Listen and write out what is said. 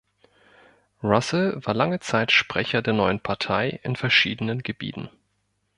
Russell war lange Zeit Sprecher der neuen Partei in verschiedenen Gebieten.